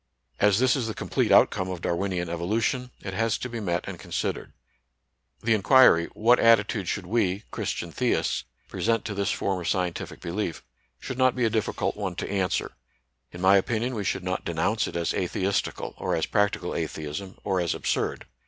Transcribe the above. As this is the complete outcome of Darwinian evolution, it has to be met and considered. The inquiry, what attitude should we, Chris tian theists, present to this form of scientific belief, should not be a difficult one to answer In my opinion, we should not denounce it as atheistical, or as practical atheism, or as absurd.